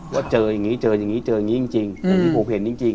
ว่าเจอยังงี้เจอยังงี้เจอยังงี้จริงจริงผมเห็นจริงจริง